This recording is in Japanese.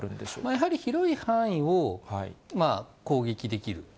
やはり広い範囲を攻撃できる。